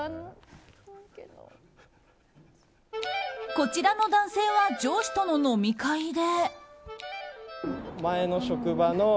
こちらの男性は上司との飲み会で。